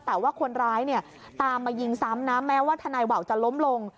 แต่ว่าคนร้ายเนี่ยตามมายิงซ้ำนะแม้ว่าทนายว่าวจะล้มลง